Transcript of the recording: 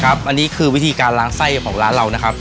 อันนี้คือวิธีการล้างไส้ของร้านเรานะครับ